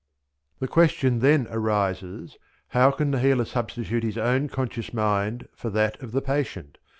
The question then arises, how can the healer substitute his own conscious mind for that of the patient?